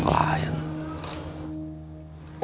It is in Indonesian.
nggak ada yang lain